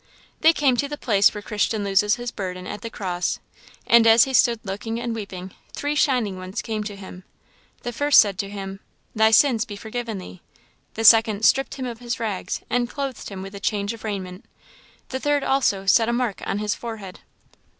They came to the place where Christian loses his burden at the cross; and as he stood looking and weeping, three shining ones came to him. "The first said to him, 'Thy sins be forgiven thee;' the second stripped him of his rags, and clothed him with a change of raiment; the third also set a mark on his forehead."